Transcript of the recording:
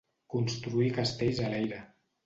construir castells a l'aire